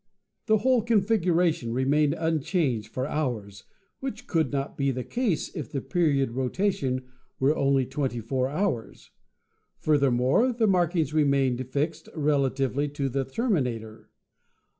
The whole configuration re mained unchanged for hours, which could not be the case 144 ASTRONOMY if the period of rotation were only 24 hours. Further more, the markings remained fixed relatively to the ter minator.